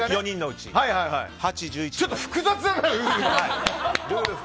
ちょっと複雑じゃない？